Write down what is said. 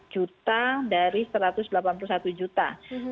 empat juta dari satu ratus delapan puluh satu juta